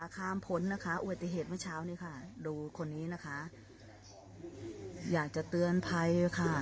ข้ามผลอุทิเหตุเมื่อเช้าดูคนนี้อยากเตือนภัย